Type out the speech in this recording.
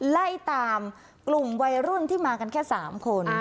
ไล่ตามกลุ่มวัยรุ่นที่มากันแค่๓คน